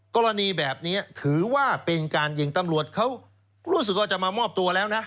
กรณีแบบนี้ถือว่าเป็นการยิงตำรวจเขารู้สึกว่าจะมามอบตัวแล้วนะ